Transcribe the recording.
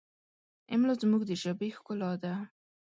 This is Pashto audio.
املا زموږ د ژبې ښکلا ده.